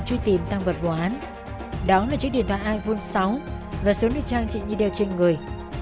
truy tìm tăng vật vụ án đó là chiếc điện thoại iphone sáu và số nước trang trị như đều trên người